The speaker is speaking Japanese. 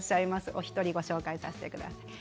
お一人、ご紹介させてください。